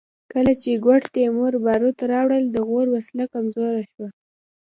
کله چې ګوډ تیمور باروت راوړل د غور وسله کمزورې شوه